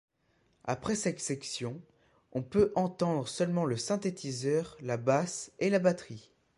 Après cette section, on peut entendre seulement le synthétiseur, la basse et la batterie.